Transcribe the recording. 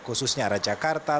khususnya arah jakarta